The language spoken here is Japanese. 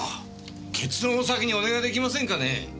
結論を先にお願い出来ませんかね。